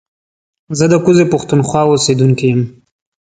زه د کوزې پښتونخوا اوسېدونکی يم